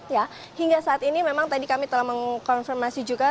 ya hingga saat ini memang tadi kami telah mengkonfirmasi juga